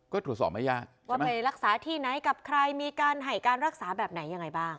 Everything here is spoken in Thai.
ก็ตรวจสอบไม่ยากว่าไปรักษาที่ไหนกับใครมีการให้การรักษาแบบไหนยังไงบ้าง